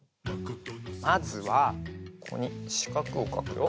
まずはここにしかくをかくよ。